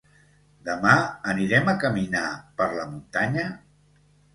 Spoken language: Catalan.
Demà, anirem a caminar per la muntanya?